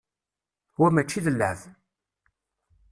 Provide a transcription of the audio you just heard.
Wa mačči d llεeb.